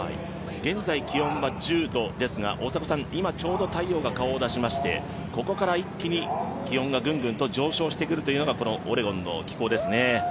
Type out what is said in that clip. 現在気温は１０度ですが、今ちょうど太陽が顔を出しましてここから一気に気温が、ぐんぐんと上昇してくるというのがこのオレゴンの気候ですね。